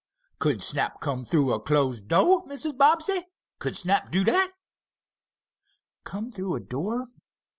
"Could Snap come through a closed do', Mrs. Bobbsey. Could Snap do that?" "Come through a door?